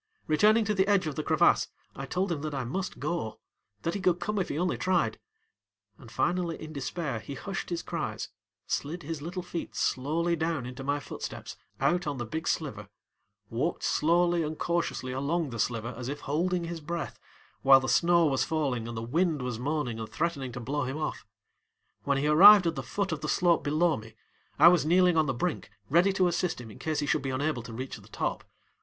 Returning to the edge of the crevasse, I told him that I must go, that he could come if he only tried, and finally in despair he hushed his cries, slid his little feet slowly down into my footsteps out on the big sliver, walked slowly and cautiously along the sliver as if holding his breath, while the snow was falling and the wind was moaning and threatening to blow him off. When he arrived at the foot of the slope below me, I was kneeling on the brink ready to assist him in case he should be unable to reach the top.